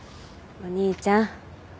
お兄ちゃん。